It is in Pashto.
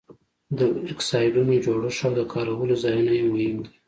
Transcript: د اکسایډونو جوړښت او د کارولو ځایونه یې مهم دي.